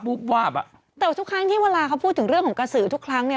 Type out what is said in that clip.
แต่ทุกครั้งที่เวลาเขาพูดถึงเรื่องของกระสือเนี่ย